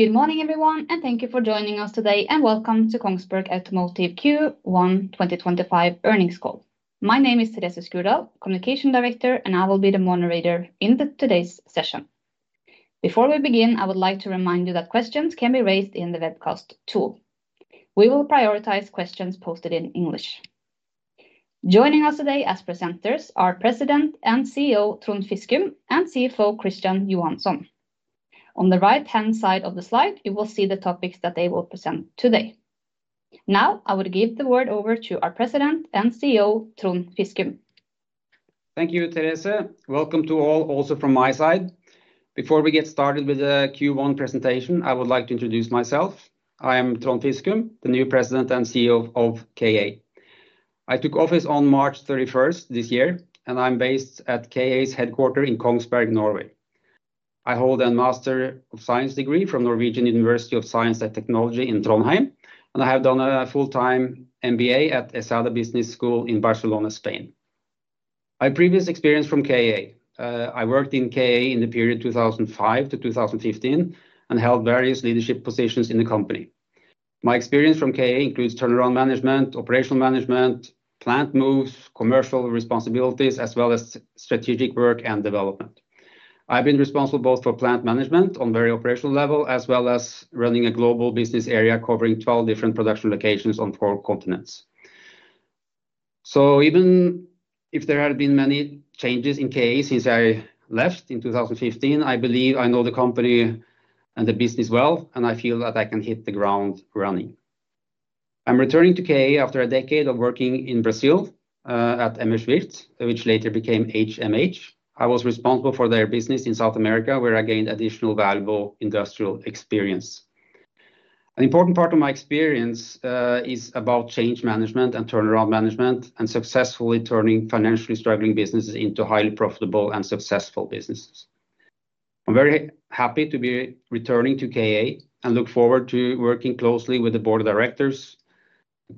Good morning, everyone, and thank you for joining us today, and welcome to Kongsberg Automotive Q1 2025 earnings call. My name is Therese Skurdal, Communication Director, and I will be the moderator in today's session. Before we begin, I would like to remind you that questions can be raised in the webcast tool. We will prioritize questions posted in English. Joining us today as presenters are President and CEO Trond Fiskum and CFO Christian Johansson. On the right-hand side of the slide, you will see the topics that they will present today. Now, I would give the word over to our President and CEO, Trond Fiskum. Thank you, Theresa. Welcome to all, also from my side. Before we get started with the Q1 presentation, I would like to introduce myself. I am Trond Fiskum, the new President and CEO of KA. I took office on March 31st this year, and I'm based at KA's headquarters in Kongsberg, Norway. I hold a Master of Science degree from the Norwegian University of Science and Technology in Trondheim, and I have done a full-time MBA at ESADA Business School in Barcelona, Spain. My previous experience from KA: I worked in KA in the period 2005 to 2015 and held various leadership positions in the company. My experience from KA includes turnaround management, operational management, plant moves, commercial responsibilities, as well as strategic work and development. I've been responsible both for plant management on a very operational level as well as running a global business area covering 12 different production locations on four continents. Even if there had been many changes in KA since I left in 2015, I believe I know the company and the business well, and I feel that I can hit the ground running. I'm returning to KA after a decade of working in Brazil at MHWirth, which later became HMH. I was responsible for their business in South America, where I gained additional valuable industrial experience. An important part of my experience is about change management and turnaround management and successfully turning financially struggling businesses into highly profitable and successful businesses. I'm very happy to be returning to KA and look forward to working closely with the Board of Directors,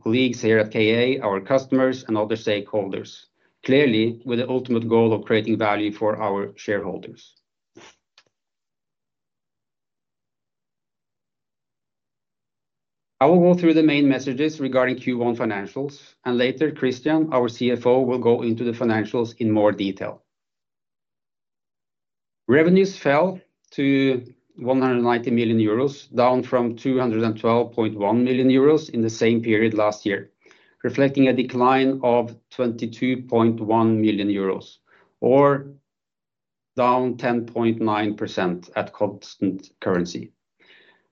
colleagues here at KA, our customers, and other stakeholders, clearly with the ultimate goal of creating value for our shareholders. I will go through the main messages regarding Q1 financials, and later, Christian, our CFO, will go into the financials in more detail. Revenues fell to 190 million euros, down from 212.1 million euros in the same period last year, reflecting a decline of 22.1 million euros, or down 10.9% at constant currency.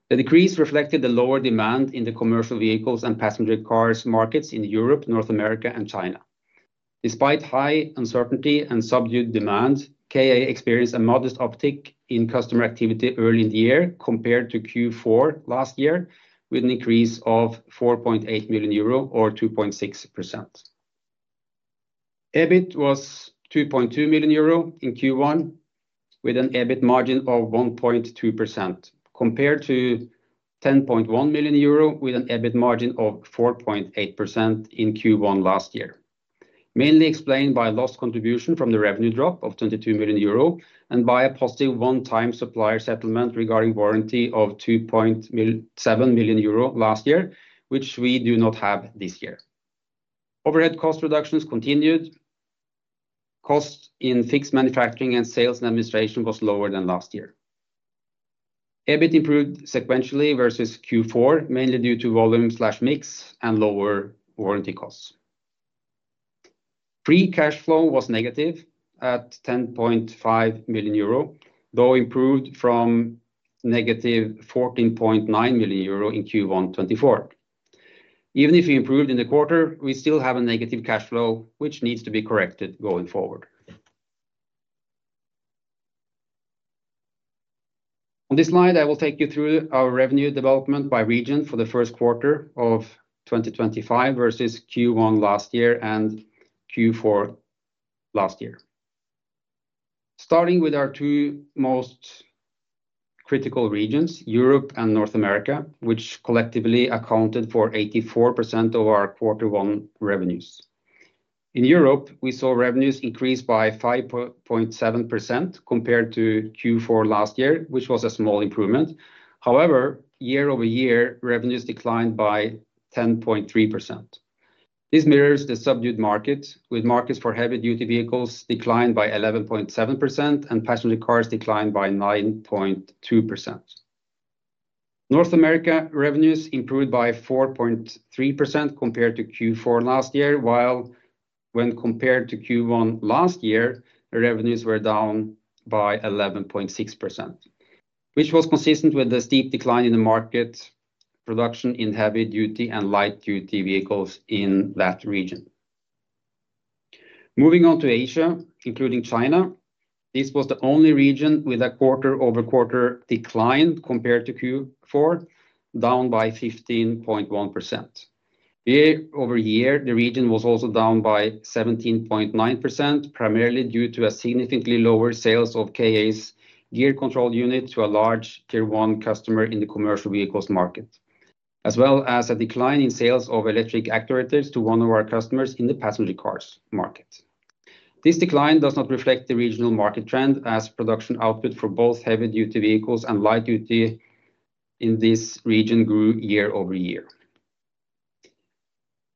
The decrease reflected the lower demand in the commercial vehicles and passenger cars markets in Europe, North America, and China. Despite high uncertainty and subdued demand, KA experienced a modest uptick in customer activity early in the year compared to Q4 last year, with an increase of 4.8 million euro, or 2.6%. EBIT was 2.2 million euro in Q1, with an EBIT margin of 1.2%, compared to 10.1 million euro with an EBIT margin of 4.8% in Q1 last year, mainly explained by a lost contribution from the revenue drop of 22 million euro and by a positive one-time supplier settlement regarding warranty of 2.7 million euro last year, which we do not have this year. Overhead cost reductions continued. Costs in fixed manufacturing and sales and administration were lower than last year. EBIT improved sequentially versus Q4, mainly due to volume/mix and lower warranty costs. Pre-cash flow was negative at 10.5 million euro, though improved from -14.9 million euro in Q1 2024. Even if we improved in the quarter, we still have a negative cash flow, which needs to be corrected going forward. On this slide, I will take you through our revenue development by region for the first quarter of 2025 versus Q1 last year and Q4 last year. Starting with our two most critical regions, Europe and North America, which collectively accounted for 84% of our Q1 revenues. In Europe, we saw revenues increase by 5.7% compared to Q4 last year, which was a small improvement. However, year-over-year, revenues declined by 10.3%. This mirrors the subdued market, with markets for heavy-duty vehicles declining by 11.7% and passenger cars declining by 9.2%. North America revenues improved by 4.3% compared to Q4 last year, while when compared to Q1 last year, revenues were down by 11.6%, which was consistent with the steep decline in the market production in heavy-duty and light-duty vehicles in that region. Moving on to Asia, including China, this was the only region with a quarter-over-quarter decline compared to Q4, down by 15.1%. Year-over-year, the region was also down by 17.9%, primarily due to significantly lower sales of KA's Gear Control Unit to a large Tier 1 customer in the commercial vehicles market, as well as a decline in sales of electric actuators to one of our customers in the passenger cars market. This decline does not reflect the regional market trend, as production output for both heavy-duty vehicles and light-duty in this region grew year-over-year.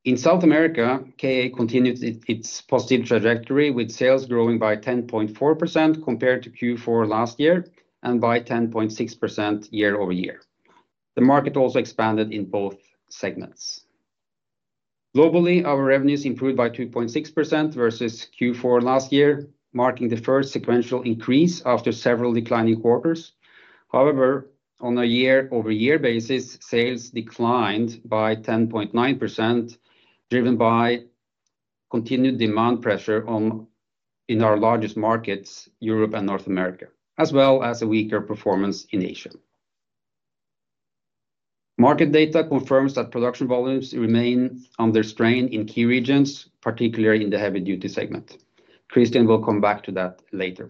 In South America, KA continued its positive trajectory, with sales growing by 10.4% compared to Q4 last year and by 10.6% year-over-year. The market also expanded in both segments. Globally, our revenues improved by 2.6% versus Q4 last year, marking the first sequential increase after several declining quarters. However, on a year-over-year basis, sales declined by 10.9%, driven by continued demand pressure in our largest markets, Europe and North America, as well as a weaker performance in Asia. Market data confirms that production volumes remain under strain in key regions, particularly in the heavy-duty segment. Christian will come back to that later.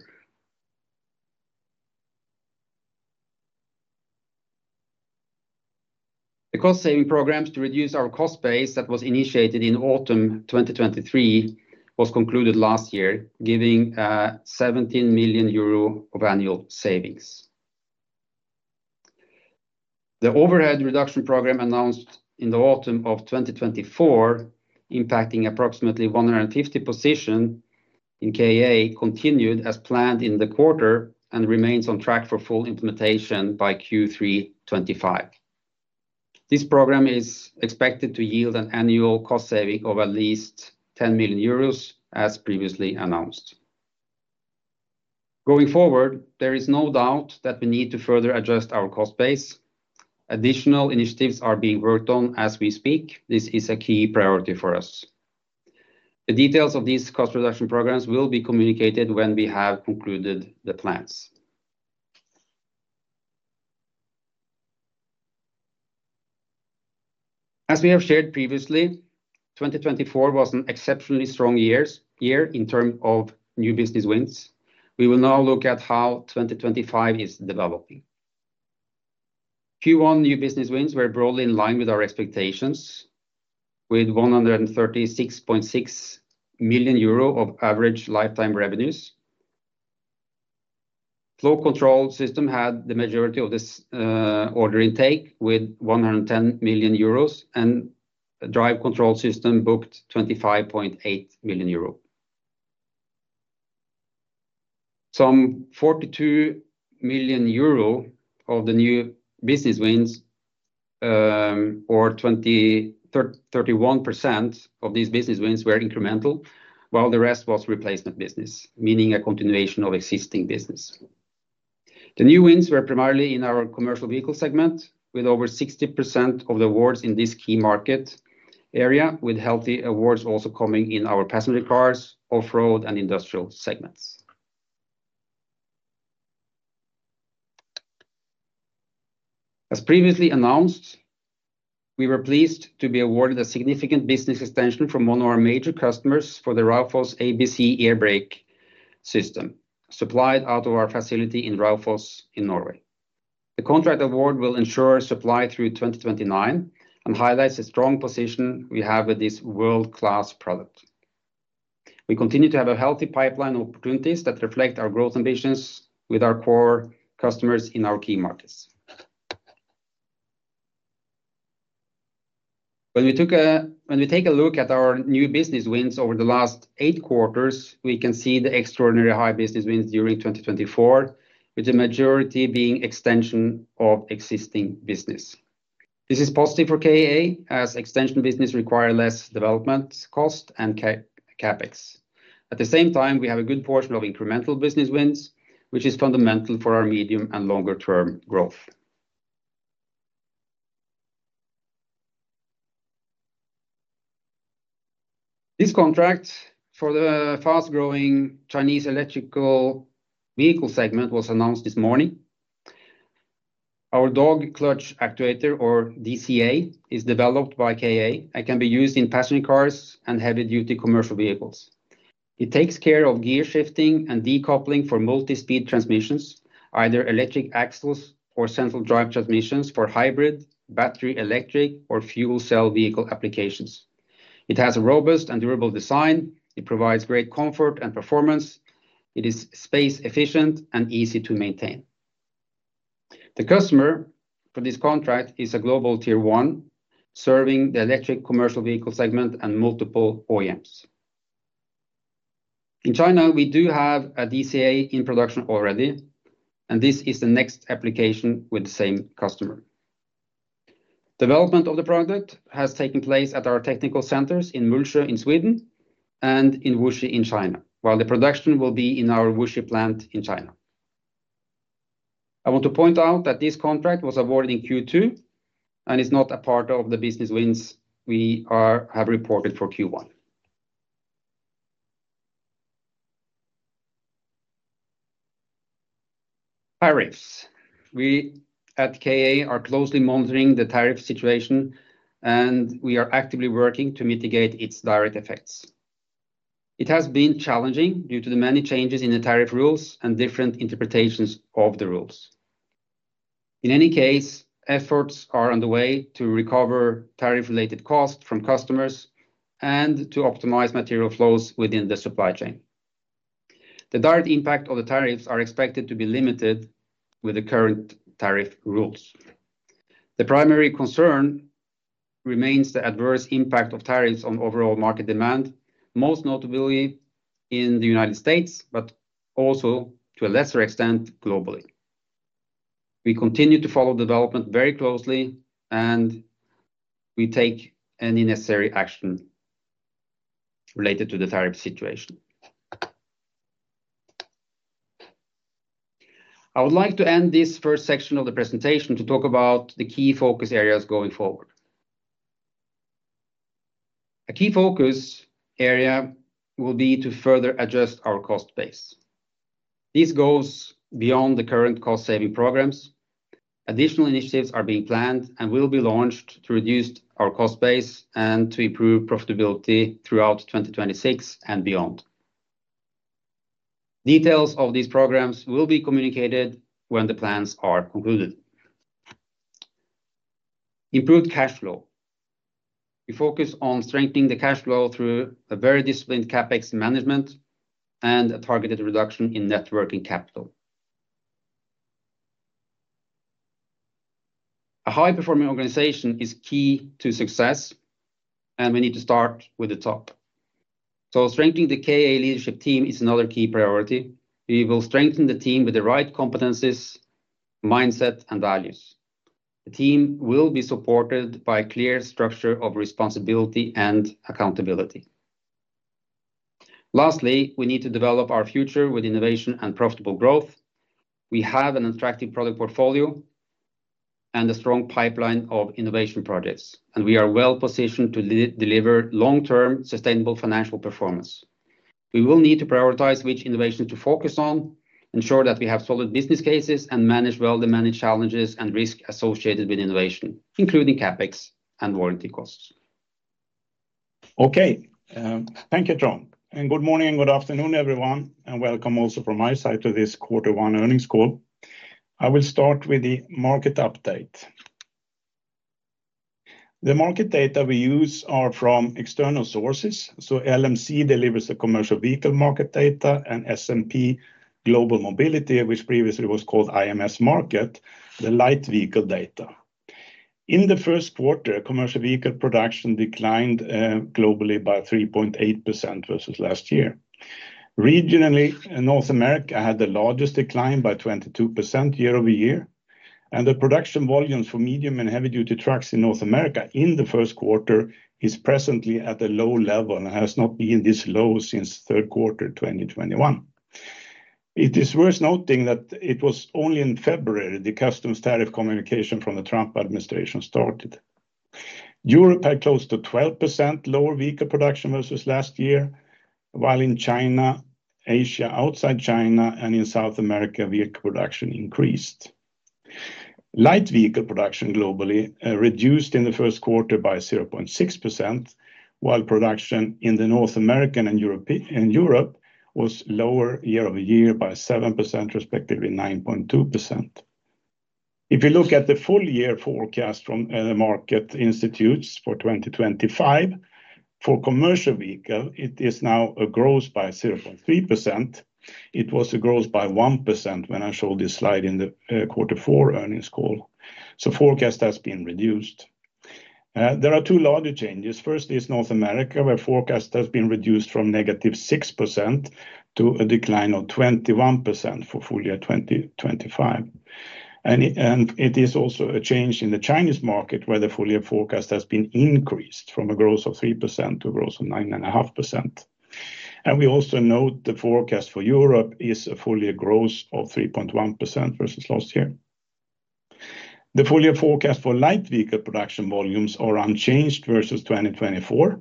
The cost-saving program to reduce our cost base that was initiated in autumn 2023 was concluded last year, giving 17 million euro of annual savings. The overhead reduction program announced in the autumn of 2024, impacting approximately 150 positions in KA, continued as planned in the quarter and remains on track for full implementation by Q3 2025. This program is expected to yield an annual cost saving of at least 10 million euros, as previously announced. Going forward, there is no doubt that we need to further adjust our cost base. Additional initiatives are being worked on as we speak. This is a key priority for us. The details of these cost reduction programs will be communicated when we have concluded the plans. As we have shared previously, 2024 was an exceptionally strong year in terms of new business wins. We will now look at how 2025 is developing. Q1 new business wins were broadly in line with our expectations, with 136.6 million euro of average lifetime revenues. Flow control system had the majority of this order intake, with 110 million euros, and Drive Control System booked 25.8 million euro. Some 42 million euro of the new business wins, or 31% of these business wins, were incremental, while the rest was replacement business, meaning a continuation of existing business. The new wins were primarily in our commercial vehicle segment, with over 60% of the awards in this key market area, with healthy awards also coming in our passenger cars, off-road, and industrial segments. As previously announced, we were pleased to be awarded a significant business extension from one of our major customers for the Raufoss ABC air brake system, supplied out of our facility in Raufoss in Norway. The contract award will ensure supply through 2029 and highlights the strong position we have with this world-class product. We continue to have a healthy pipeline of opportunities that reflect our growth ambitions with our core customers in our key markets. When we take a look at our new business wins over the last eight quarters, we can see the extraordinary high business wins during 2024, with the majority being extension of existing business. This is positive for KA, as extension business requires less development cost and CapEx. At the same time, we have a good portion of incremental business wins, which is fundamental for our medium and longer-term growth. This contract for the fast-growing Chinese electrical vehicle segment was announced this morning. Our Dog Cutch Actuator, or DCA, is developed by KA and can be used in passenger cars and heavy-duty commercial vehicles. It takes care of gear shifting and decoupling for multi-speed transmissions, either electric axles or central drive transmissions for hybrid, battery electric, or fuel cell vehicle applications. It has a robust and durable design. It provides great comfort and performance. It is space-efficient and easy to maintain. The customer for this contract is a Global Tier one, serving the electric commercial vehicle segment and multiple OEMs. In China, we do have a DCA in production already, and this is the next application with the same customer. Development of the product has taken place at our technical centers in Mullsjö in Sweden and in Wuxi in China, while the production will be in our Wuxi plant in China. I want to point out that this contract was awarded in Q2 and is not a part of the business wins we have reported for Q1. Tariffs. We at KA are closely monitoring the tariff situation, and we are actively working to mitigate its direct effects. It has been challenging due to the many changes in the tariff rules and different interpretations of the rules. In any case, efforts are underway to recover tariff-related costs from customers and to optimize material flows within the supply chain. The direct impact of the tariffs is expected to be limited with the current tariff rules. The primary concern remains the adverse impact of tariffs on overall market demand, most notably in the U.S., but also to a lesser extent globally. We continue to follow development very closely, and we take any necessary action related to the tariff situation. I would like to end this first section of the presentation to talk about the key focus areas going forward. A key focus area will be to further adjust our cost base. This goes beyond the current cost-saving programs. Additional initiatives are being planned and will be launched to reduce our cost base and to improve profitability throughout 2026 and beyond. Details of these programs will be communicated when the plans are concluded. Improved cash flow. We focus on strengthening the cash flow through a very disciplined CapEx management and a targeted reduction in working capital. A high-performing organization is key to success, and we need to start with the top. Strengthening the KA leadership team is another key priority. We will strengthen the team with the right competencies, mindset, and values. The team will be supported by a clear structure of responsibility and accountability. Lastly, we need to develop our future with innovation and profitable growth. We have an attractive product portfolio and a strong pipeline of innovation projects, and we are well-positioned to deliver long-term sustainable financial performance. We will need to prioritize which innovations to focus on, ensure that we have solid business cases, and manage well the many challenges and risks associated with innovation, including CapEx and warranty costs. Okay, thank you, Trond. Good morning and good afternoon, everyone, and welcome also from my side to this Q1 earnings call. I will start with the market update. The market data we use are from external sources. LMC delivers the commercial vehicle market data and SMP Global Mobility, which previously was called IMS Market, the light vehicle data. In the first quarter, commercial vehicle production declined globally by 3.8% versus last year. Regionally, North America had the largest decline by 22% year-over-year, and the production volumes for medium and heavy-duty trucks in North America in the first quarter are presently at a low level and have not been this low since Q3 2021. It is worth noting that it was only in February the customs tariff communication from the Trump administration started. Europe had close to 12% lower vehicle production versus last year, while in China, Asia outside China, and in South America, vehicle production increased. Light vehicle production globally reduced in the first quarter by 0.6%, while production in North America and Europe was lower year-over-year by 7%, respectively 9.2%. If you look at the full year forecast from the market institutes for 2025, for commercial vehicles, it is now a growth by 0.3%. It was a growth by 1% when I showed this slide in the Q4 earnings call. Forecast has been reduced. There are two larger changes. First is North America, where forecast has been reduced from negative 6% to a decline of 21% for full year 2025. It is also a change in the Chinese market, where the full year forecast has been increased from a growth of 3% to a growth of 9.5%. We also note the forecast for Europe is a full year growth of 3.1% versus last year. The full year forecast for light vehicle production volumes is unchanged versus 2024,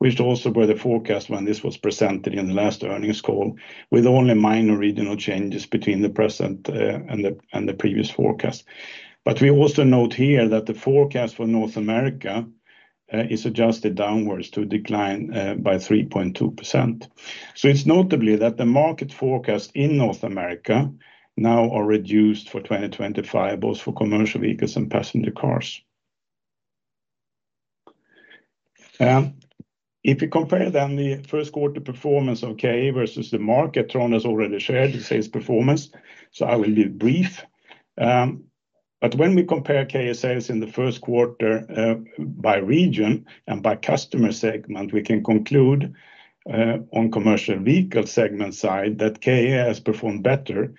which also was the forecast when this was presented in the last earnings call, with only minor regional changes between the present and the previous forecast. We also note here that the forecast for North America is adjusted downwards to a decline by 3.2%. It is notable that the market forecast in North America now is reduced for 2025, both for commercial vehicles and passenger cars. If you compare then the first quarter performance of KA versus the market, Trond has already shared its performance, so I will be brief. When we compare KA sales in the first quarter by region and by customer segment, we can conclude on the commercial vehicle segment side that KA has performed better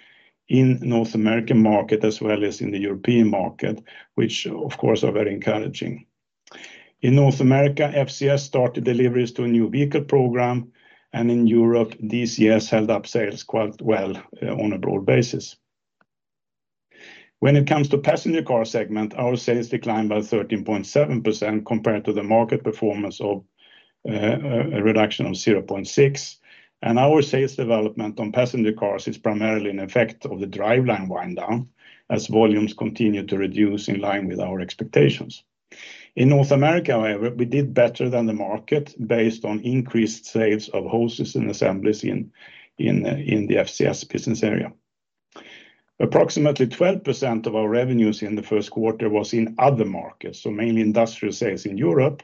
in the North American market as well as in the European market, which of course are very encouraging. In North America, FCS started deliveries to a new vehicle program, and in Europe, DCS held up sales quite well on a broad basis. When it comes to the passenger car segment, our sales declined by 13.7% compared to the market performance of a reduction of 0.6%, and our sales development on passenger cars is primarily an effect of the driveline wind-down as volumes continue to reduce in line with our expectations. In North America, however, we did better than the market based on increased sales of hoses and assemblies in the FCS business area. Approximately 12% of our revenues in the first quarter was in other markets, so mainly industrial sales in Europe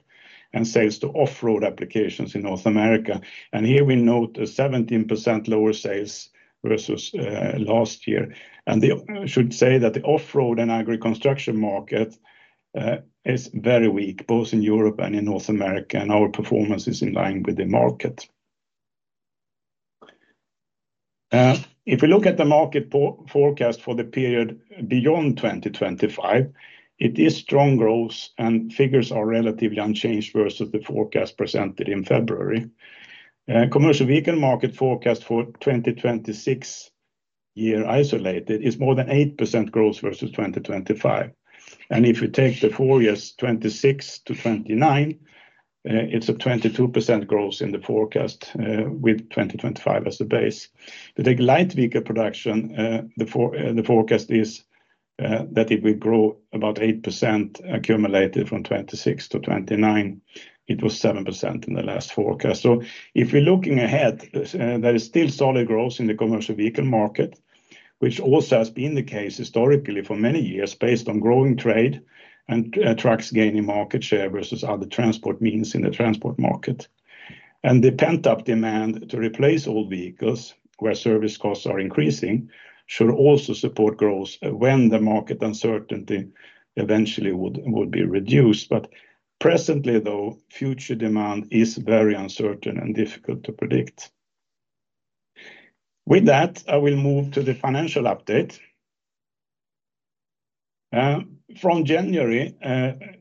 and sales to off-road applications in North America. We note a 17% lower sales versus last year. I should say that the off-road and agri-construction market is very weak, both in Europe and in North America, and our performance is in line with the market. If we look at the market forecast for the period beyond 2025, it is strong growth, and figures are relatively unchanged versus the forecast presented in February. The commercial vehicle market forecast for the 2026 year isolated is more than 8% growth versus 2025. If you take the four years, 2026 to 2029, it is a 22% growth in the forecast with 2025 as the base. To take light vehicle production, the forecast is that it will grow about 8% accumulated from 2026 to 2029. It was 7% in the last forecast. If we're looking ahead, there is still solid growth in the commercial vehicle market, which also has been the case historically for many years based on growing trade and trucks gaining market share versus other transport means in the transport market. The pent-up demand to replace old vehicles, where service costs are increasing, should also support growth when the market uncertainty eventually would be reduced. Presently, though, future demand is very uncertain and difficult to predict. With that, I will move to the financial update. From January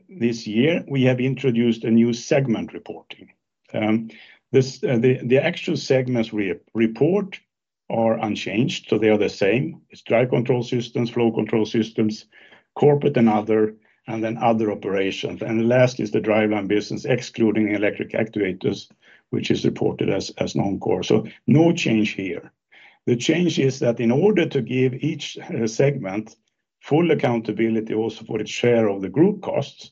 this year, we have introduced a new segment reporting. The actual segments we report are unchanged, so they are the same. is Drive Control Systems, Flow Control Systems, corporate and other, and then other operations. Last is the driveline business, excluding electric actuators, which is reported as non-core. No change here. The change is that in order to give each segment full accountability also for its share of the group costs,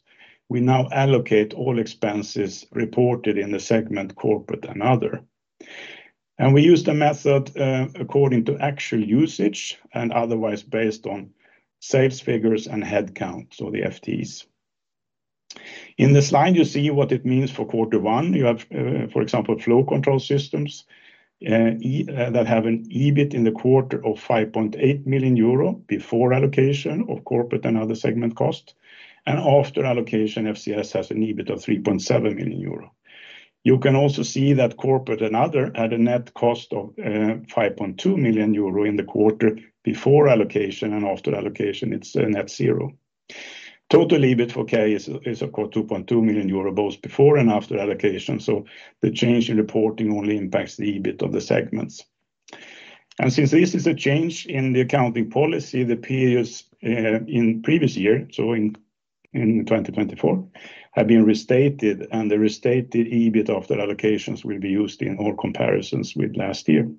we now allocate all expenses reported in the segment corporate and other. We use the method according to actual usage and otherwise based on sales figures and headcount, so the FTEs. In this slide, you see what it means for Q1. You have, for example, Flow Control Systems that have an EBIT in the quarter of 5.8 million euro before allocation of corporate and other segment costs. After allocation, FCS has an EBIT of 3.7 million euro. You can also see that corporate and other had a net cost of 5.2 million euro in the quarter before allocation, and after allocation, it is net zero. Total EBIT for KA is, of course, 2.2 million euro both before and after allocation. The change in reporting only impacts the EBIT of the segments. Since this is a change in the accounting policy, the periods in previous year, so in 2024, have been restated, and the restated EBIT after allocations will be used in all comparisons with last year.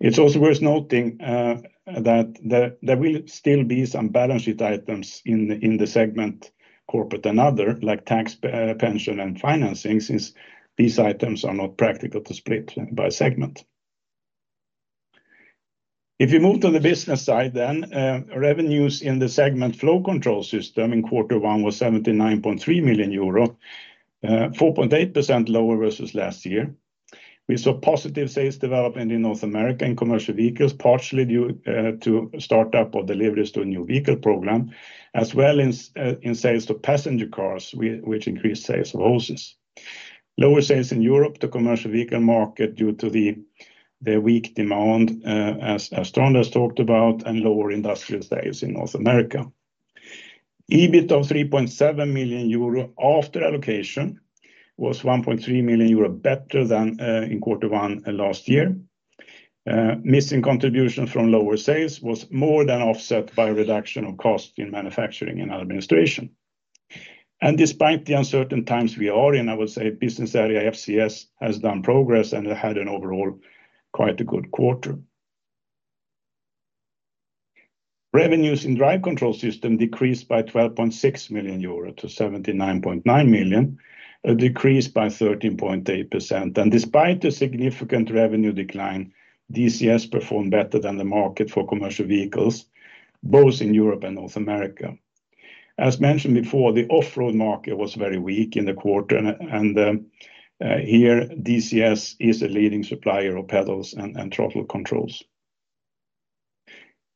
It is also worth noting that there will still be some balance sheet items in the segment corporate and other, like tax, pension, and financing, since these items are not practical to split by segment. If you move to the business side then, revenues in the segment Flow Control System in Q1 were 79.3 million euro, 4.8% lower versus last year. We saw positive sales development in North America in commercial vehicles, partially due to startup or deliveries to a new vehicle program, as well as in sales to passenger cars, which increased sales of hoses. Lower sales in Europe to the commercial vehicle market due to the weak demand, as Trond has talked about, and lower industrial sales in North America. EBIT of 3.7 million euro after allocation was 1.3 million euro better than in Q1 last year. Missing contribution from lower sales was more than offset by a reduction of costs in manufacturing and administration. Despite the uncertain times we are in, I would say business area FCS has done progress and had an overall quite a good quarter. Revenues in Drive Control System decreased by 12.6 million euro to 79.9 million, a decrease by 13.8%. Despite the significant revenue decline, DCS performed better than the market for commercial vehicles, both in Europe and North America. As mentioned before, the off-road market was very weak in the quarter, and here DCS is a leading supplier of pedals and throttle controls.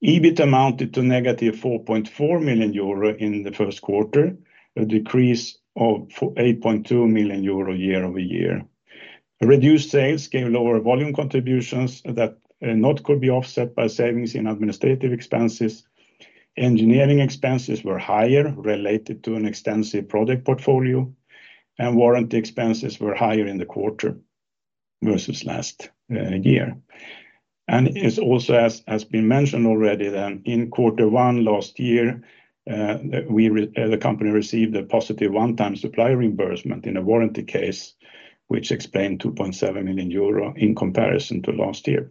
EBIT amounted to -4.4 million euro in the first quarter, a decrease of 8.2 million euro year-over-year. Reduced sales gave lower volume contributions that could be offset by savings in administrative expenses. Engineering expenses were higher related to an extensive project portfolio, and warranty expenses were higher in the quarter versus last year. It is also, as has been mentioned already, that in Q1 last year, the company received a positive one-time supplier reimbursement in a warranty case, which explained 2.7 million euro in comparison to last year.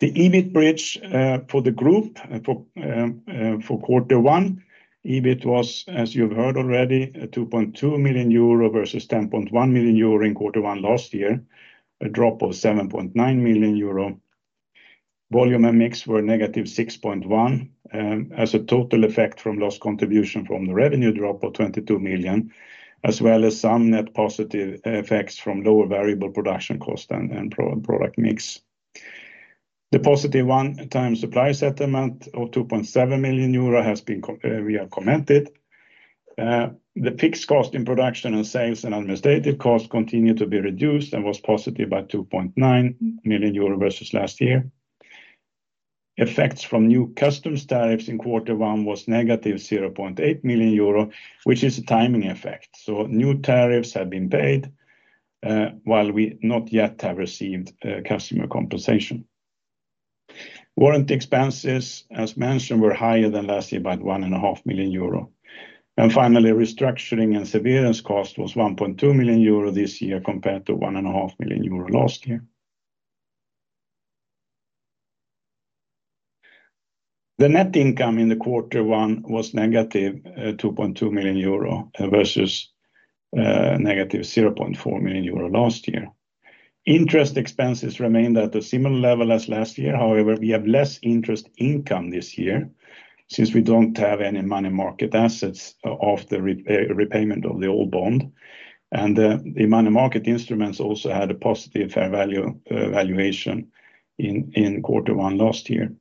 The EBIT bridge for the group for Q1, EBIT was, as you've heard already, 2.2 million euro versus 10.1 million euro in Q1 last year, a drop of 7.9 million euro. Volume and mix were -6.1 million as a total effect from lost contribution from the revenue drop of 22 million, as well as some net positive effects from lower variable production cost and product mix. The positive one-time supply settlement of 2.7 million euro has been commented. The fixed cost in production and sales and administrative costs continued to be reduced and was positive by 2.9 million euro versus last year. Effects from new customs tariffs in Q1 was -0.8 million euro, which is a timing effect. New tariffs have been paid while we not yet have received customer compensation. Warranty expenses, as mentioned, were higher than last year by 1.5 million euro. Finally, restructuring and surveillance cost was 1.2 million euro this year compared to 1.5 million euro last year. The net income in Q1 was -2.2 million euro versus -0.4 million euro last year. Interest expenses remained at a similar level as last year. However, we have less interest income this year since we do not have any money market assets after repayment of the old bond. The money market instruments also had a positive fair value valuation in Q1 last year.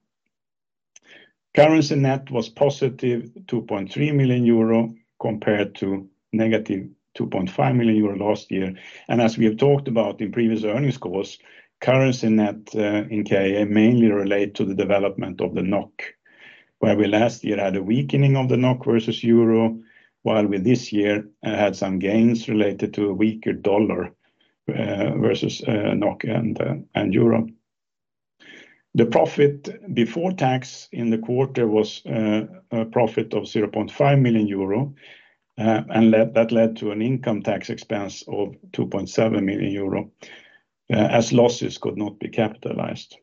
Currency net was positive 2.3 million euro compared to -2.5 million euro last year. As we have talked about in previous earnings calls, currency net in KA mainly relates to the development of the NOK, where we last year had a weakening of the NOK versus euro, while this year we had some gains related to a weaker dollar versus NOK and euro. The profit before tax in the quarter was a profit of 0.5 million euro, and that led to an income tax expense of 2.7 million euro as losses could not be capitalized.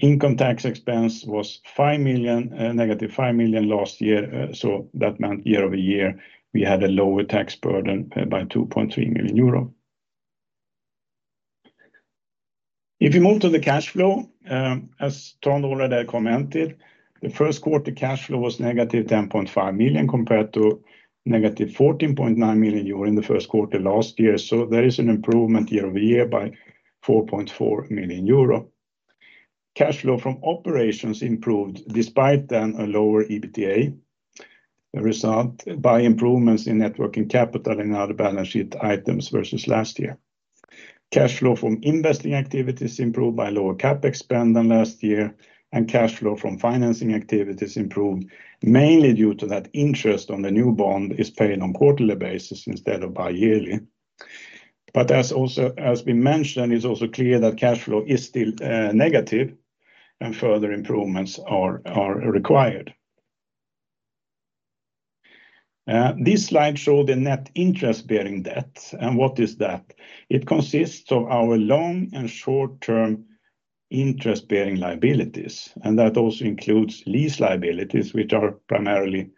Income tax expense was -5 million last year, so that meant year-over-year we had a lower tax burden by 2.3 million euro. If you move to the cash flow, as Trond already commented, the first quarter cash flow was -10.5 million compared to -14.9 million euro in the first quarter last year. There is an improvement year over year by 4.4 million euro. Cash flow from operations improved despite then a lower EBITDA result by improvements in working capital and other balance sheet items versus last year. Cash flow from investing activities improved by lower CapEx than last year, and cash flow from financing activities improved mainly due to that interest on the new bond is paid on quarterly basis instead of bi-yearly. As also as we mentioned, it is also clear that cash flow is still negative and further improvements are required. This slide showed the net interest-bearing debt, and what is that? It consists of our long and short-term interest-bearing liabilities, and that also includes lease liabilities, which are primarily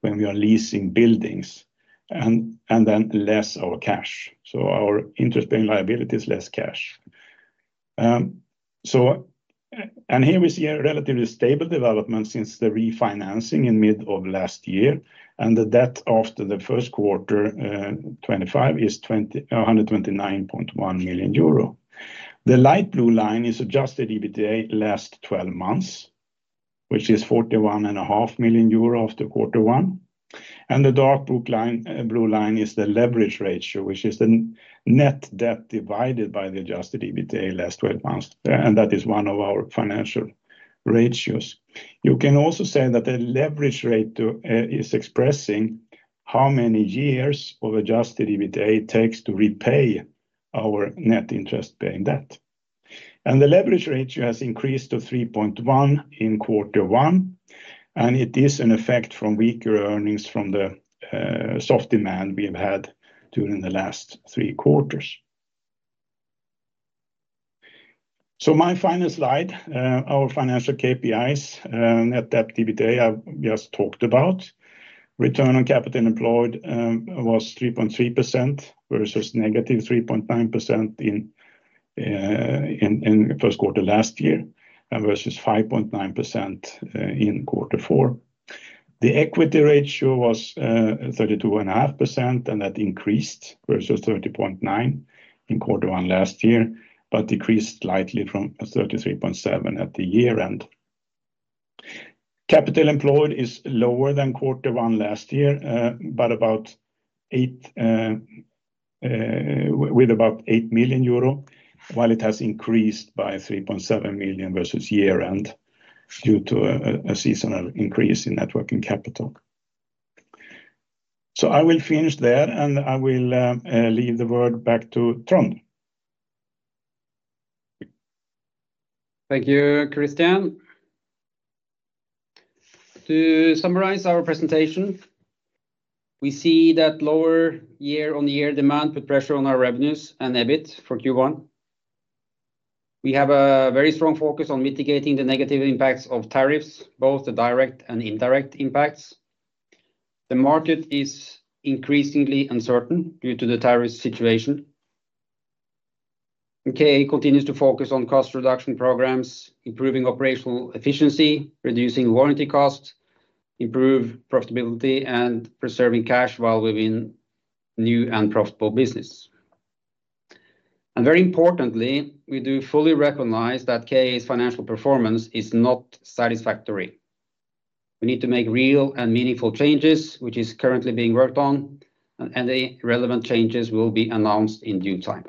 when we are leasing buildings and then less our cash. So our interest-bearing liabilities, less cash. Here we see a relatively stable development since the refinancing in mid of last year, and the debt after the first quarter 2025 is 129.1 million euro. The light blue line is adjusted EBITDA last 12 months, which is 41.5 million euro after Q1. The dark blue line is the leverage ratio, which is the net debt divided by the adjusted EBITDA last 12 months, and that is one of our financial ratios. You can also say that the leverage ratio is expressing how many years of adjusted EBITDA it takes to repay our net interest-bearing debt. The leverage ratio has increased to 3.1 in Q1, and it is an effect from weaker earnings from the soft demand we have had during the last three quarters. My final slide, our financial KPIs, net debt EBITDA, I just talked about. Return on capital employed was 3.3% versus -3.9% in first quarter last year versus 5.9% in Q4. The equity ratio was 32.5%, and that increased versus 30.9% in Q1 last year, but decreased slightly from 33.7% at the year-end. Capital employed is lower than Q1 last year, but with about 8 million euro, while it has increased by 3.7 million versus year-end due to a seasonal increase in networking capital. I will finish there, and I will leave the word back to Trond. Thank you, Christian. To summarize our presentation, we see that lower year-on-year demand put pressure on our revenues and EBIT for Q1. We have a very strong focus on mitigating the negative impacts of tariffs, both the direct and indirect impacts. The market is increasingly uncertain due to the tariff situation. KA continues to focus on cost reduction programs, improving operational efficiency, reducing warranty costs, improving profitability, and preserving cash while we are in new and profitable business. Very importantly, we do fully recognize that KA's financial performance is not satisfactory. We need to make real and meaningful changes, which is currently being worked on, and the relevant changes will be announced in due time.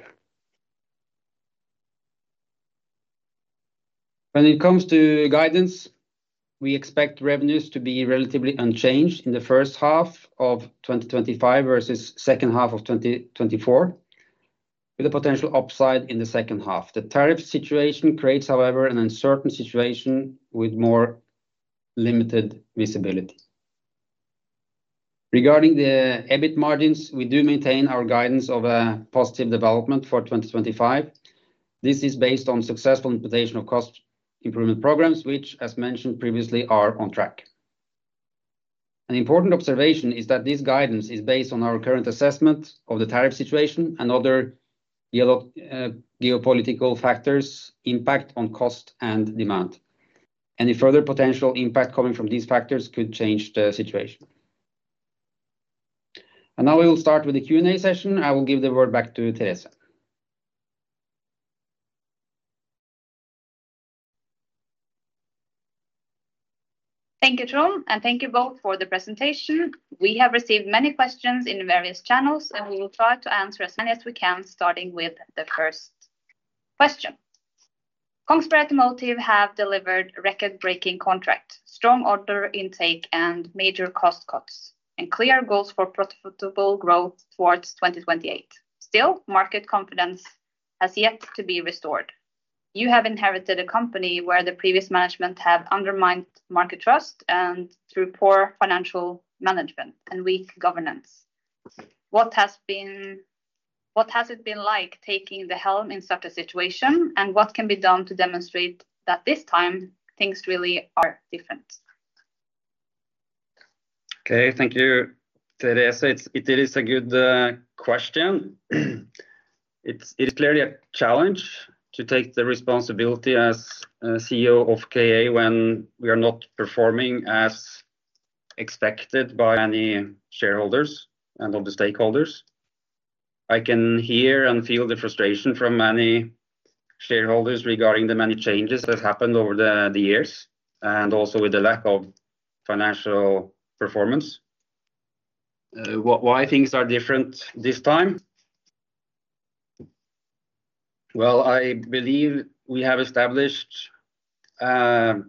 When it comes to guidance, we expect revenues to be relatively unchanged in the first half of 2025 versus the second half of 2024, with a potential upside in the second half. The tariff situation creates, however, an uncertain situation with more limited visibility. Regarding the EBIT margins, we do maintain our guidance of a positive development for 2025. This is based on successful implementation of cost improvement programs, which, as mentioned previously, are on track. An important observation is that this guidance is based on our current assessment of the tariff situation and other geopolitical factors' impact on cost and demand. Any further potential impact coming from these factors could change the situation. Now we will start with the Q&A session. I will give the word back to Theresa. Thank you, Trond, and thank you both for the presentation. We have received many questions in various channels, and we will try to answer as many as we can, starting with the first question. Kongsberg Automotive have delivered record-breaking contracts, strong order intake, and major cost cuts, and clear goals for profitable growth towards 2028. Still, market confidence has yet to be restored. You have inherited a company where the previous management have undermined market trust and through poor financial management and weak governance. What has it been like taking the helm in such a situation, and what can be done to demonstrate that this time things really are different? Okay, thank you, Theresa. It is a good question. It is clearly a challenge to take the responsibility as CEO of KA when we are not performing as expected by many shareholders and other stakeholders. I can hear and feel the frustration from many shareholders regarding the many changes that happened over the years and also with the lack of financial performance. Why are things different this time? I believe we have established a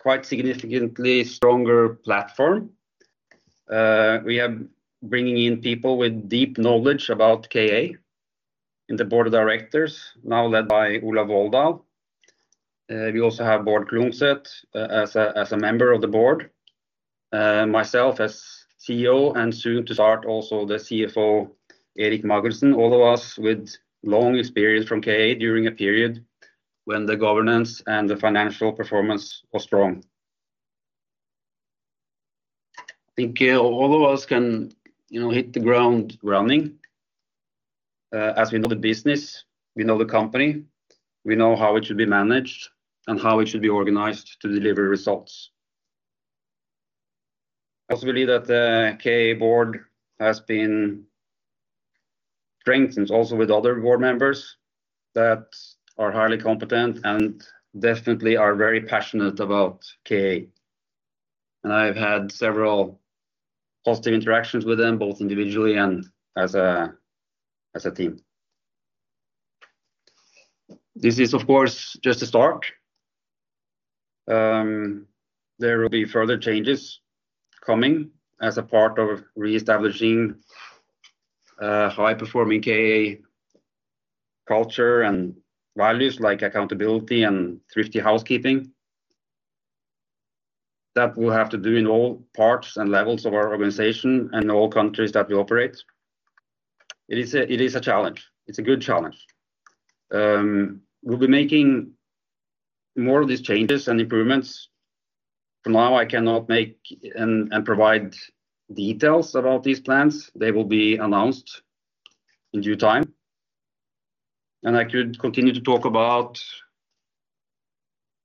quite significantly stronger platform. We are bringing in people with deep knowledge about KA in the Board of Directors, now led by Ola Woldal. We also have Board Klungseth as a member of the board, myself as CEO, and soon to start also the CFO, Erik Magelssen, all of us with long experience from KA during a period when the governance and the financial performance were strong. I think all of us can hit the ground running. As we know the business, we know the company, we know how it should be managed and how it should be organized to deliver results. I also believe that the KA board has been strengthened also with other board members that are highly competent and definitely are very passionate about KA. I have had several positive interactions with them, both individually and as a team. This is, of course, just the start. There will be further changes coming as a part of re-establishing a high-performing KA culture and values like accountability and thrifty housekeeping. That will have to do in all parts and levels of our organization and in all countries that we operate. It is a challenge. It is a good challenge. We will be making more of these changes and improvements. For now, I cannot make and provide details about these plans. They will be announced in due time. I could continue to talk about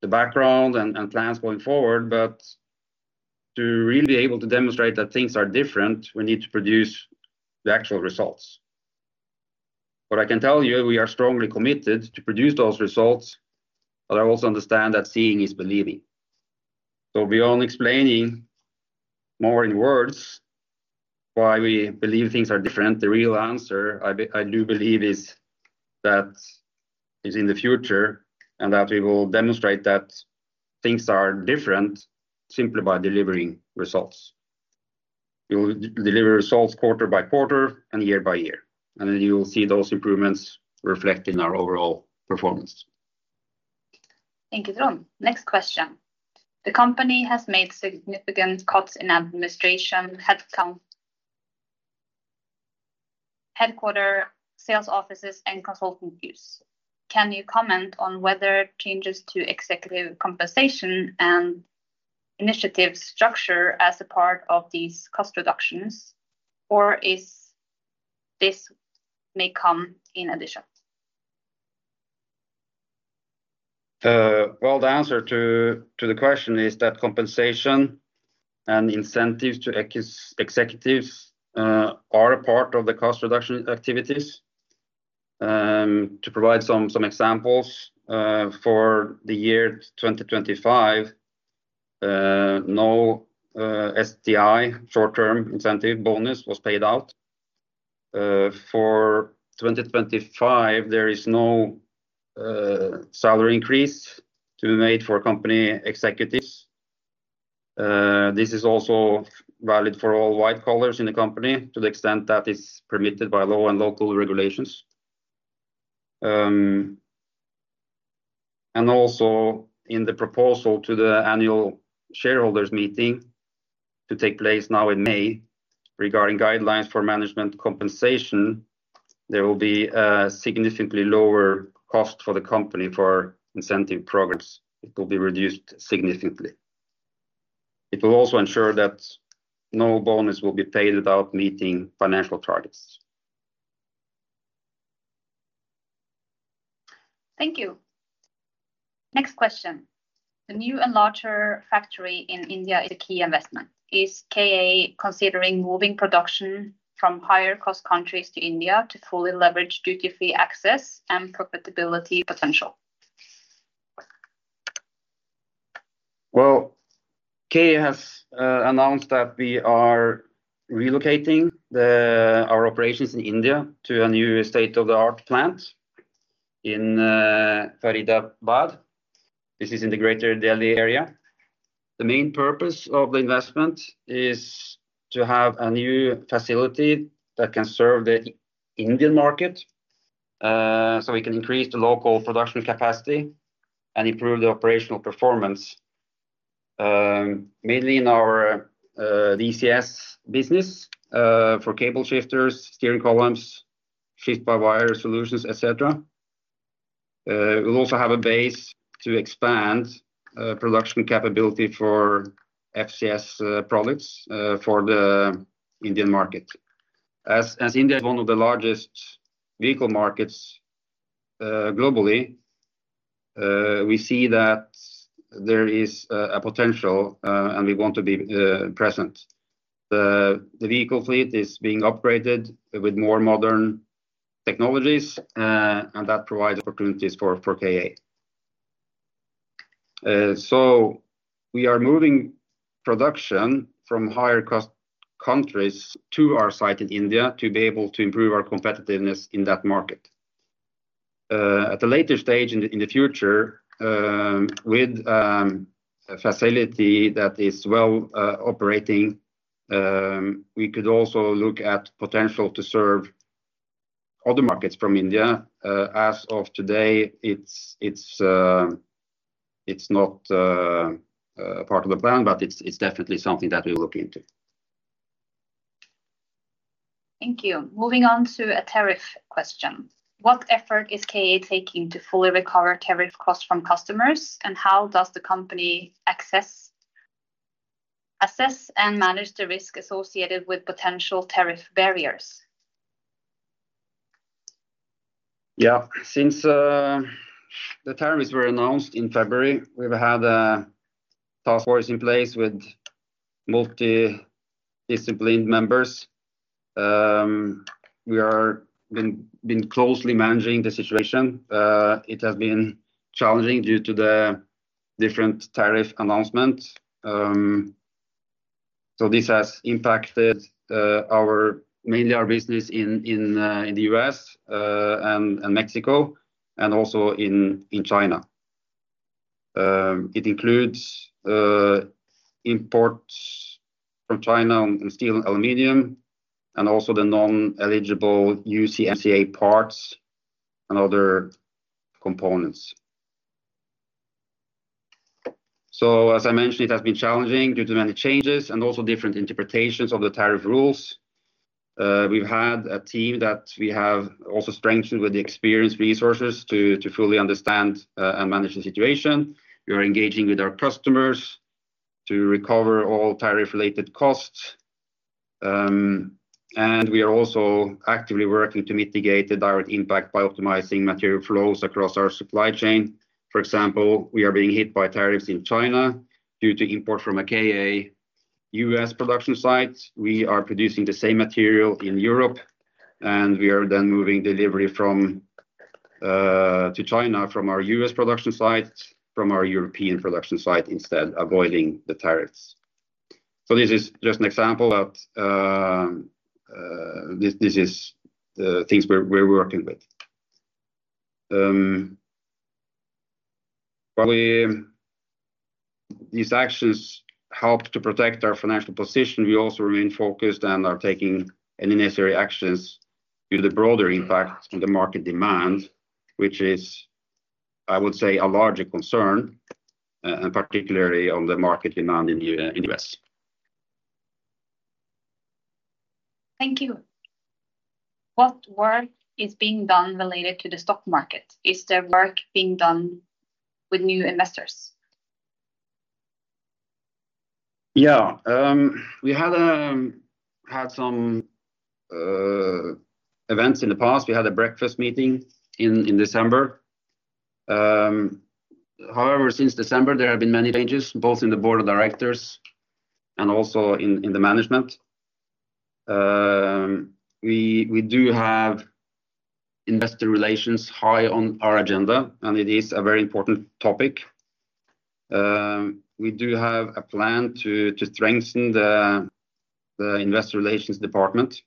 the background and plans going forward, but to really be able to demonstrate that things are different, we need to produce the actual results. What I can tell you, we are strongly committed to produce those results, but I also understand that seeing is believing. Beyond explaining more in words why we believe things are different, the real answer, I do believe, is that it is in the future and that we will demonstrate that things are different simply by delivering results. We will deliver results quarter-by-quarter and year-by-year. You will see those improvements reflected in our overall performance. Thank you, Trond. Next question. The company has made significant cuts in administration, headquarters, sales offices, and consultant use. Can you comment on whether changes to executive compensation and initiative structure as a part of these cost reductions, or if this may come in addition? The answer to the question is that compensation and incentives to executives are a part of the cost reduction activities. To provide some examples, for the year 2025, no STI, short-term incentive bonus, was paid out. For 2025, there is no salary increase to be made for company executives. This is also valid for all white collars in the company to the extent that it is permitted by law and local regulations. Also in the proposal to the annual shareholders meeting to take place now in May regarding guidelines for management compensation, there will be a significantly lower cost for the company for incentive programs. It will be reduced significantly. It will also ensure that no bonus will be paid without meeting financial targets. Thank you. Next question. The new and larger factory in India is a key investment. Is KA considering moving production from higher-cost countries to India to fully leverage duty-free access and profitability potential? KA has announced that we are relocating our operations in India to a new state-of-the-art plant in Faridabad. This is in the greater Delhi area. The main purpose of the investment is to have a new facility that can serve the Indian market so we can increase the local production capacity and improve the operational performance, mainly in our VCS business for cable shifters, steering columns, shift-by-wire solutions, etc. We will also have a base to expand production capability for FCS products for the Indian market. As India is one of the largest vehicle markets globally, we see that there is a potential, and we want to be present. The vehicle fleet is being upgraded with more modern technologies, and that provides opportunities for KA. We are moving production from higher-cost countries to our site in India to be able to improve our competitiveness in that market. At a later stage in the future, with a facility that is well operating, we could also look at the potential to serve other markets from India. As of today, it's not part of the plan, but it's definitely something that we will look into. Thank you. Moving on to a tariff question. What effort is KA taking to fully recover tariff costs from customers, and how does the company assess and manage the risk associated with potential tariff barriers? Yeah. Since the tariffs were announced in February, we've had a task force in place with multidisciplinary members. We have been closely managing the situation. It has been challenging due to the different tariff announcements. This has impacted mainly our business in the U.S. and Mexico and also in China. It includes imports from China on steel and aluminum, and also the non-eligible USMCA parts and other components. As I mentioned, it has been challenging due to many changes and also different interpretations of the tariff rules. We've had a team that we have also strengthened with experienced resources to fully understand and manage the situation. We are engaging with our customers to recover all tariff-related costs. We are also actively working to mitigate the direct impact by optimizing material flows across our supply chain. For example, we are being hit by tariffs in China due to imports from a KA U.S. production site. We are producing the same material in Europe, and we are then moving delivery to China from our U.S. production site, from our European production site instead, avoiding the tariffs. This is just an example that this is the things we're working with. These actions help to protect our financial position. We also remain focused and are taking any necessary actions due to the broader impact on the market demand, which is, I would say, a larger concern, and particularly on the market demand in the U.S. Thank you. What work is being done related to the stock market? Is there work being done with new investors? Yeah. We had some events in the past. We had a breakfast meeting in December. However, since December, there have been many changes, both in the board of directors and also in the management. We do have investor relations high on our agenda, and it is a very important topic. We do have a plan to strengthen the investor relations department,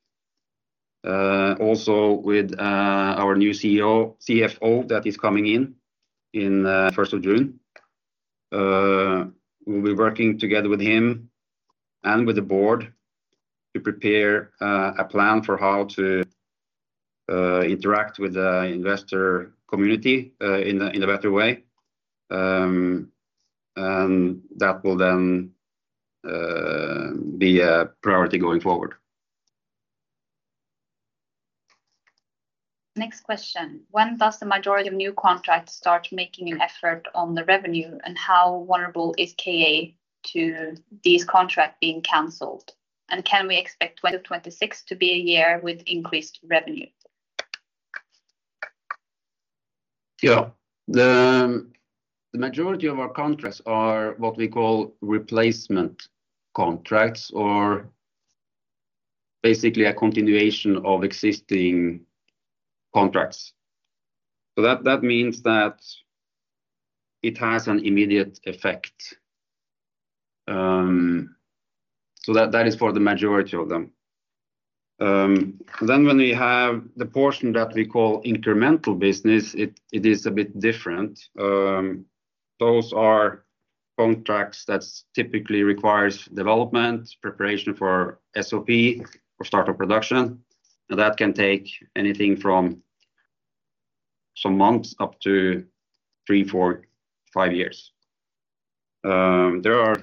also with our new CFO that is coming in on the 1st of June. We'll be working together with him and with the Board to prepare a plan for how to interact with the investor community in a better way. That will then be a priority going forward. Next question. When does the majority of new contracts start making an effort on the revenue, and how vulnerable is KA to these contracts being canceled? Can we expect 2026 to be a year with increased revenue? Yeah. The majority of our contracts are what we call replacement contracts, or basically a continuation of existing contracts. That means that it has an immediate effect. That is for the majority of them. When we have the portion that we call incremental business, it is a bit different. Those are contracts that typically require development, preparation for SOP or startup production. That can take anything from some months up to three, four, five years. There are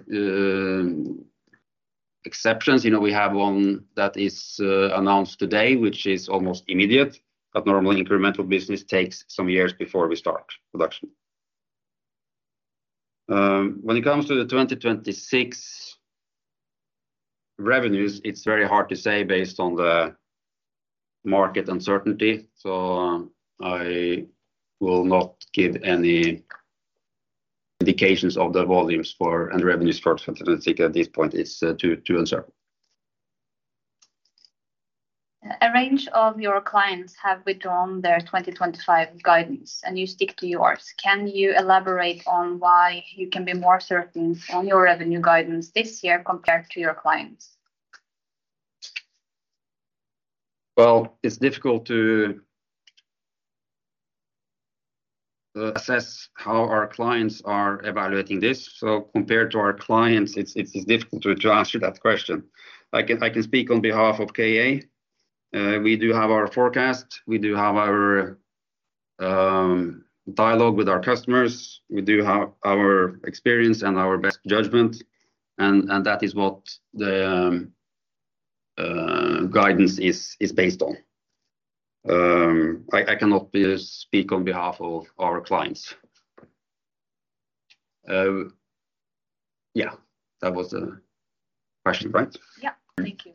exceptions. We have one that is announced today, which is almost immediate, but normally incremental business takes some years before we start production. When it comes to the 2026 revenues, it's very hard to say based on the market uncertainty. I will not give any indications of the volumes and revenues for 2026 at this point. It's too uncertain. A range of your clients have withdrawn their 2025 guidance, and you stick to yours. Can you elaborate on why you can be more certain on your revenue guidance this year compared to your clients? It is difficult to assess how our clients are evaluating this. So compared to our clients, it is difficult to answer that question. I can speak on behalf of KA. We do have our forecast. We do have our dialogue with our customers. We do have our experience and our best judgment. And that is what the guidance is based on. I cannot speak on behalf of our clients. Yeah. That was the question, right? Yeah. Thank you.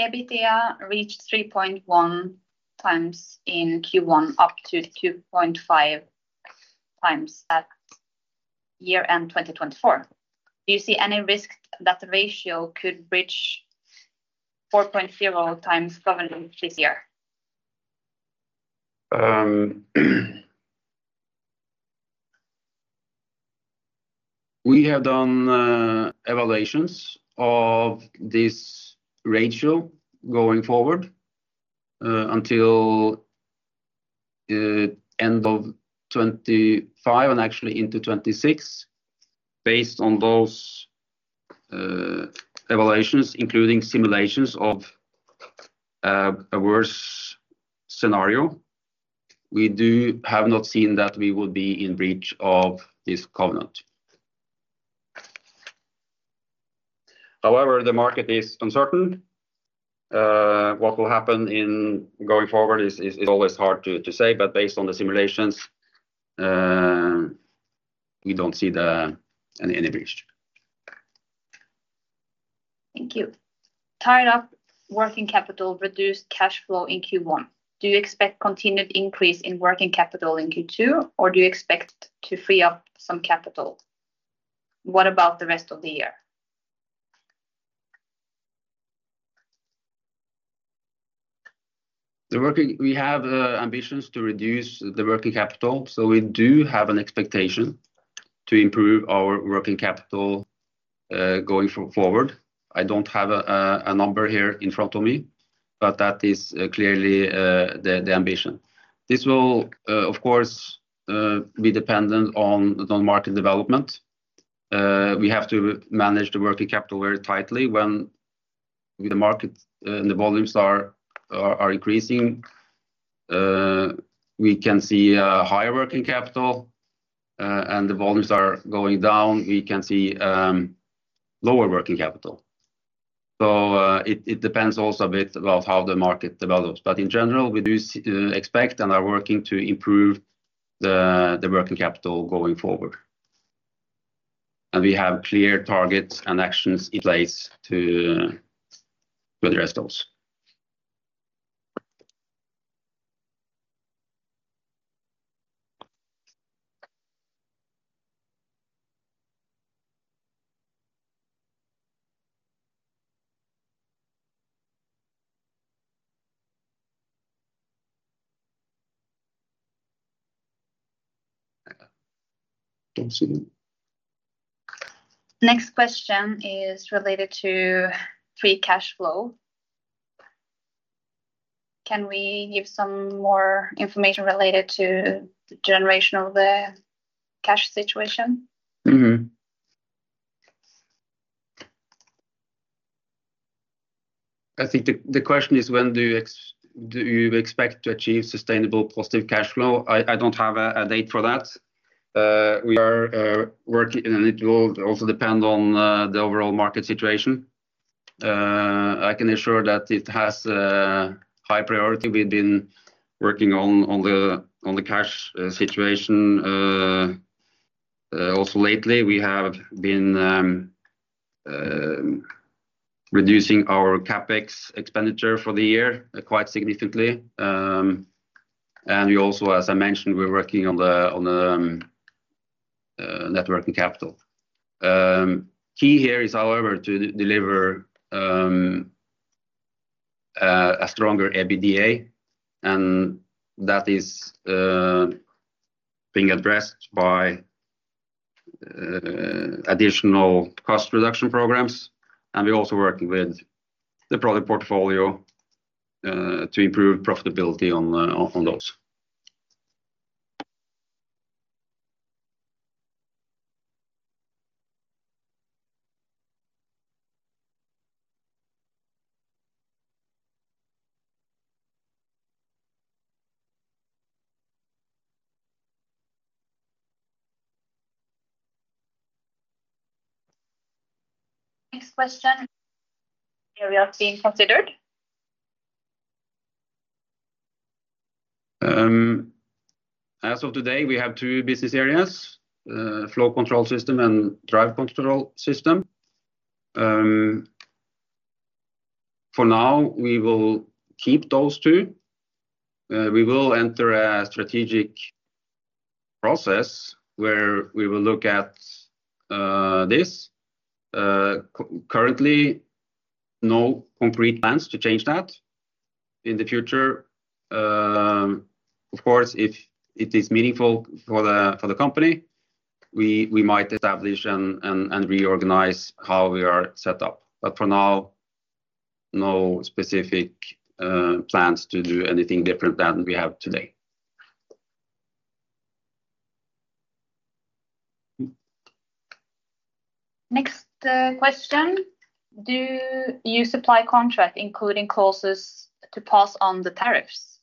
EBITDA reached 3.1 times in Q1 up to 2.5 times at year-end 2024. Do you see any risk that the ratio could reach 4.0 times governance this year? We have done evaluations of this ratio going forward until the end of 2025 and actually into 2026. Based on those evaluations, including simulations of a worse scenario, we have not seen that we would be in breach of this covenant. However, the market is uncertain. What will happen going forward is always hard to say, but based on the simulations, we do not see any breach. Thank you. Tied up working capital reduced cash flow in Q1. Do you expect continued increase in working capital in Q2, or do you expect to free up some capital? What about the rest of the year? We have ambitions to reduce the working capital, so we do have an expectation to improve our working capital going forward. I do not have a number here in front of me, but that is clearly the ambition. This will, of course, be dependent on market development. We have to manage the working capital very tightly. When the market and the volumes are increasing, we can see higher working capital, and when the volumes are going down, we can see lower working capital. It depends also a bit on how the market develops. In general, we do expect and are working to improve the working capital going forward. We have clear targets and actions in place to address those. Next question is related to free cash flow. Can we give some more information related to the generation of the cash situation? I think the question is, when do you expect to achieve sustainable positive cash flow? I do not have a date for that. We are working, and it will also depend on the overall market situation. I can assure that it has high priority. We have been working on the cash situation also lately. We have been reducing our CapEx expenditure for the year quite significantly. Also, as I mentioned, we're working on the working capital. Key here is, however, to deliver a stronger EBITDA, and that is being addressed by additional cost reduction programs. We're also working with the product portfolio to improve profitability on those. Next question. Areas being considered? As of today, we have two business areas: Flow Control System and Drive Control System. For now, we will keep those two. We will enter a strategic process where we will look at this. Currently, no concrete plans to change that. In the future, of course, if it is meaningful for the company, we might establish and reorganize how we are set up. For now, no specific plans to do anything different than we have today. Next question. Do you supply contracts including clauses to pass on the tariffs?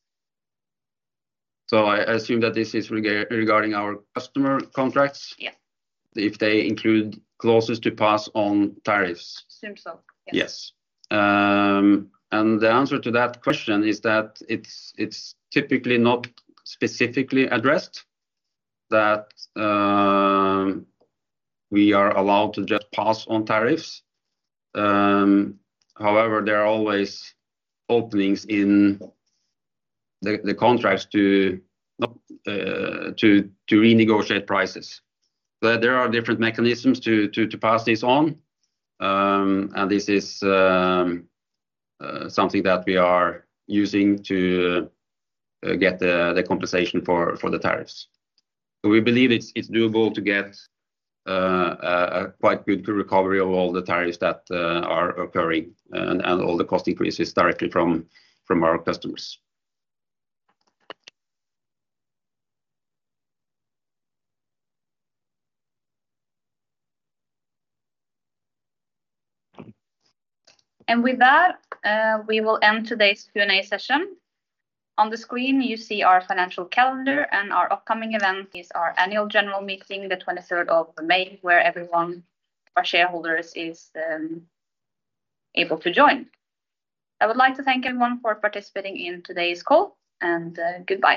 I assume that this is regarding our customer contracts? Yes. If they include clauses to pass on tariffs. Assumed so. Yes. The answer to that question is that it's typically not specifically addressed that we are allowed to just pass on tariffs. However, there are always openings in the contracts to renegotiate prices. There are different mechanisms to pass this on, and this is something that we are using to get the compensation for the tariffs. We believe it's doable to get a quite good recovery of all the tariffs that are occurring and all the cost increases directly from our customers. With that, we will end today's Q&A session. On the screen, you see our financial calendar and our upcoming event. Our annual general meeting is the 23rd of May, where every one of our shareholders is able to join. I would like to thank everyone for participating in today's call, and goodbye.